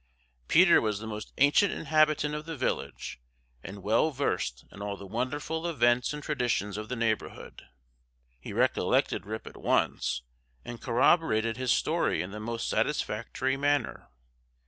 Peter was the most ancient inhabitant of the village, and well versed in all the wonderful events and traditions of the neighborhood. He recollected Rip at once, and corroborated his story in the most satisfactory manner.